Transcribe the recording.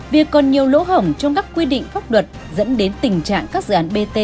việc còn nhiều lỗ hổng trong các quy định pháp luật dẫn đến tình trạng các dự án bt